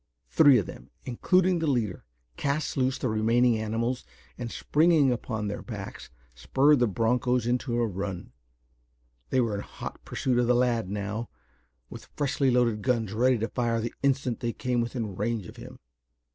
Three of them, including the leader, cast loose the remaining animals, and springing upon their backs, spurred the bronchos into a run. They were in hot pursuit of the lad now, with freshly loaded guns ready to fire the instant they came within range of him.